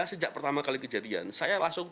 sejak pertama kali kejadian saya langsung